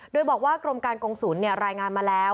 โดยบอกว่ากรมการกงศูนย์รายงานมาแล้ว